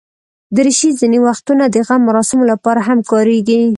دریشي ځینې وختونه د غم مراسمو لپاره هم کارېږي.